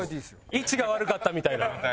位置が悪かったみたいな。